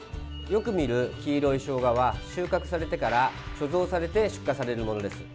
よく見る黄色いショウガは収穫されてから貯蔵されて出荷されるものです。